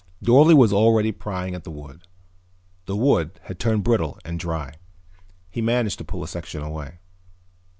Dorle was already prying at the wood. The wood had turned brittle and dry. He managed to pull a section away.